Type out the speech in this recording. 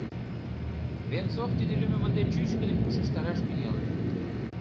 Венцов тиде лӱмым ынде чӱчкыдын ушештараш тӱҥалын.